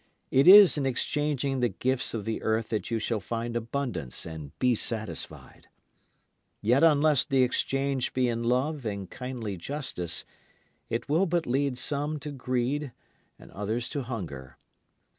It is in exchanging the gifts of the earth that you shall find abundance and be satisfied. Yet unless the exchange be in love and kindly justice, it will but lead some to greed and others to hunger.